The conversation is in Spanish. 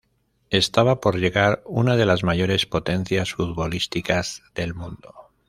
Estaba por llegar una de las mayores potencias futbolísticas del mundo.